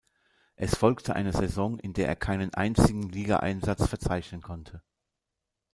Es folgte eine Saison, in der er keinen einzigen Ligaeinsatz verzeichnen konnte.